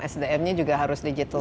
sdm nya juga harus digital